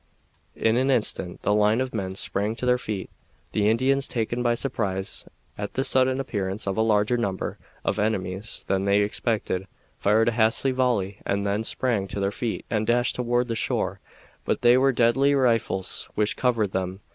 In an instant the line of men sprang to their feet. The Indians, taken by surprise at the sudden appearance of a larger number of enemies than they expected, fired a hasty volley and then sprang to their feet and dashed toward the shore. But they were deadly rifles which covered them.